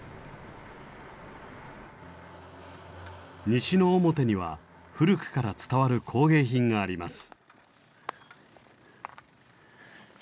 西之表には古くから伝わる工芸品があります。